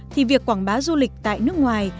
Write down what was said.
thì việc quảng bá du lịch tại nước ngoài